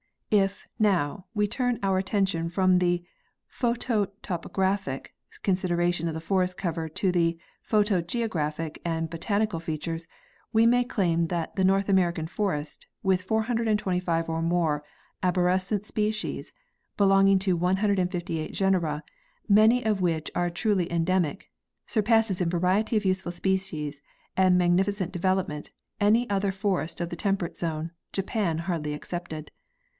If, now, we turn our attention from the phyto topographic consideration of the forest cover to the phyto geographic and botanical features, we may claim that the North American forest, with 425 or more arborescent species, belonging to 158 genera, many of which are truly endemic, surpasses in variety of useful species and magnificent development, any other forest of the tem perate zone, Japan hardly excepted.